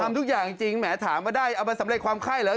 ทำทุกอย่างจริงแหมถามว่าได้เอามาสำเร็จความไข้เหรอ